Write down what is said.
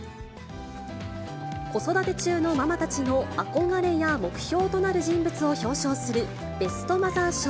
子育て中のママたちの憧れや目標となる人物を表彰する、ベストマザー賞。